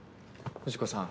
藤子さん。